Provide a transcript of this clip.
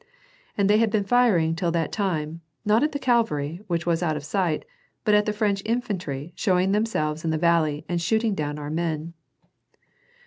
And they had been firing till that time, not at the cavalry, which was out of sight, but at the French infantry showing themselves in the valley and shooting down our men.